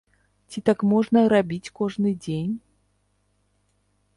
Ці так можна рабіць кожны дзень?